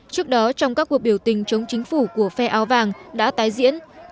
trước đó trong các cuộc biểu tình chống chính phủ của phe áo vàng đã tái diễn